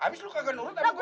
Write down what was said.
habis lu kaget nurut abang